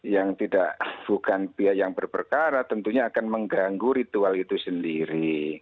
yang bukan pihak yang berperkara tentunya akan mengganggu ritual itu sendiri